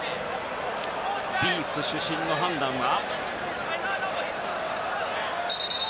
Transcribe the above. ビース主審の判断は。